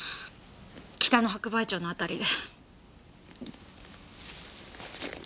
北野白梅町のあたりで。